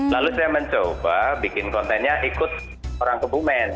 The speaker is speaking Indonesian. lalu saya mencoba bikin kontennya ikut orang kebumen